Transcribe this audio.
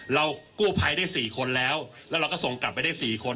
กู้ภัยได้๔คนแล้วแล้วเราก็ส่งกลับไปได้๔คน